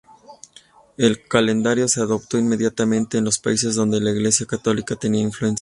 El calendario se adoptó inmediatamente en los países donde la Iglesia católica tenía influencia.